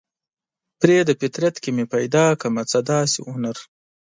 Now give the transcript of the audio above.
پریږده فطرت کې مې پیدا کړمه څه داسې هنر